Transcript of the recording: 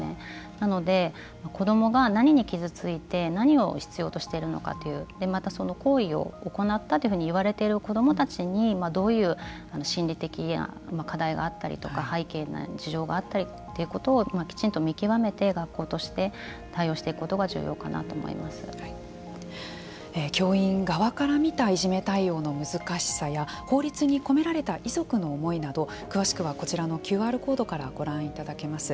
なので、子どもが何に傷ついて何を必要としてるのかというまた、その行為を行ったというふうに言われている子どもたちにどういう心理的課題があったりとか背景、事情があったりということをきちんと見極めて学校として対応していくことが教員側から見たいじめ対応の難しさや法律に込められた遺族の思いなど詳しくはこちらのＱＲコードからご覧いただけます。